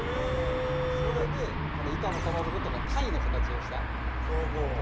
それでこの板のかまぼことか鯛の形をしたかまぼことか。